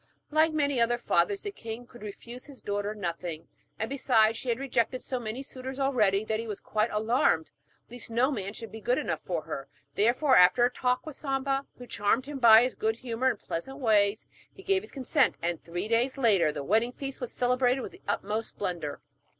Like many other fathers, the king could refuse his daughter nothing, and besides, she had rejected so many suitors already that he was quite alarmed lest no man should be good enough for her. Therefore, after a talk with Samba, who charmed him by his good humour and pleasant ways, he gave his consent, and three days later the wedding feast was celebrated with the utmost splendour.